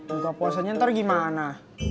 enggak puasanya ntar gimana